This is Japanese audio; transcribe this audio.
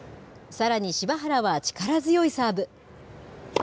さらに柴原は力強いサーブ。